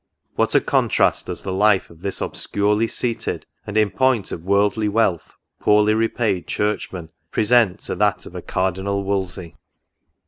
What a contrast does the life of this obscurely seated, and, in point of worldly wealth, poorly repaid Churchman, pre sent to that of a Cardinal Wolsey